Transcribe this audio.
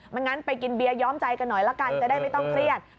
งั้นไปกินเบียร์ย้อมใจกันหน่อยละกันจะได้ไม่ต้องเครียด